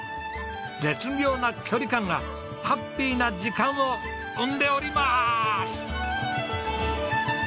絶妙な距離感がハッピーな時間を生んでおります！